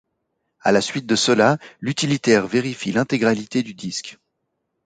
À la suite de cela, l'utilitaire vérifie l'intégralité du disque.